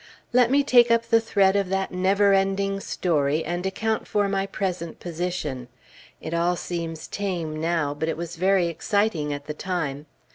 Let me take up the thread of that never ending story, and account for my present position. It all seems tame now; but it was very exciting at the time.